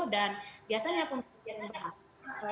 dan biasanya pembelajaran bahasa